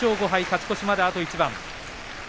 勝ち越しまであと一番。